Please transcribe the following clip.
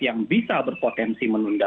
yang bisa berpotensi menunda